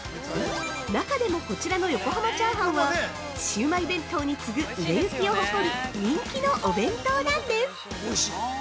中でもこちらの「横濱チャーハン」は、シウマイ弁当に次ぐ売れ行きを誇る人気のお弁当なんです！！